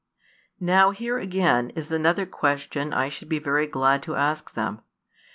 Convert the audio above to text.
Now here again is another question I should be very glad to ask them.